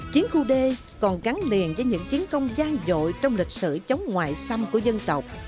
chiến khu d còn gắn liền với những chiến công gian dội trong lịch sử chống ngoại xâm của dân tộc